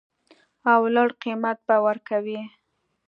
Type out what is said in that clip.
او لوړ قیمت به ورکوي